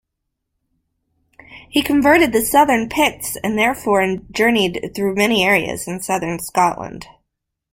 He converted the Southern Picts and therefore journeyed through many areas in southern Scotland.